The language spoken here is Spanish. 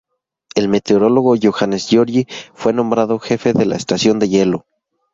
El meteorólogo Johannes Georgi fue nombrado jefe de la estación de hielo.